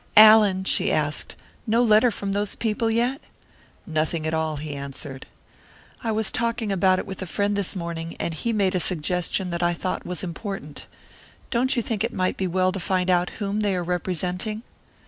"Allan," she asked, "no letter from those people yet?" "Nothing at all," he answered. "I was talking about it with a friend this morning, and he made a suggestion that I thought was important. Don't you think it might be well to find out whom they are representing?"